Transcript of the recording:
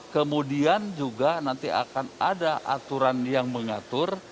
kemudian juga nanti akan ada aturan yang mengatur